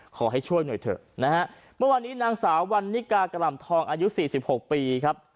ขอให้ช่วยหน่อยเถอะนะฮะเมื่อวานนี้นางสาววันนิกากล่ำทองอายุสี่สิบหกปีครับ